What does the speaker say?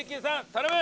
頼む！